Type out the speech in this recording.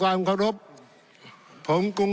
ท่านประธานที่ขอรับครับ